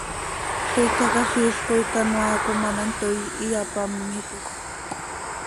Xicaquiziil coi canoaa com an hant toii, iyapámijoj.